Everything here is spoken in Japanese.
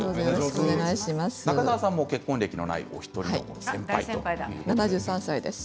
中澤さんも結婚歴のないお一人の先輩だそうです。